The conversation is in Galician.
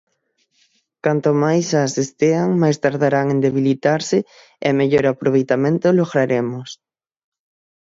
Canto máis sas estean máis tardarán en debilitarse e mellor aproveitamento lograremos.